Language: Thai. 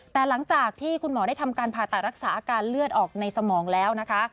แต่หลังจากที่คุณหมอได้ทำการผ่าตัดรักษาอาการเลือดออกในสมองแล้วนะคะ